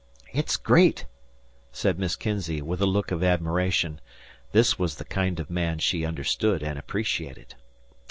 "It's great," said Miss Kinzey, with a look of admiration. This was the kind of man she understood and appreciated.